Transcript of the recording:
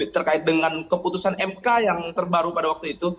terkait dengan keputusan mk yang terbaru pada waktu itu